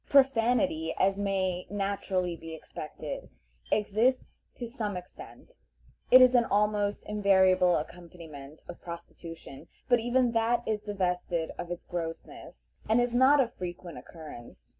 Profanity, as may naturally be expected, exists to some extent; it is an almost invariable accompaniment of prostitution, but even that is divested of its grossness, and is not of frequent occurrence.